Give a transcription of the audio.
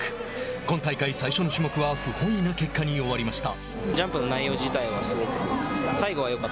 今大会、最初の種目は不本意な結果に終わりました。